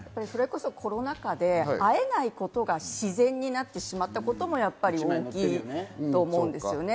コロナ禍で会えないことが自然になってしまったことも大きいと思います。